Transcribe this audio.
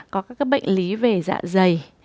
có các bệnh lý về dạ dày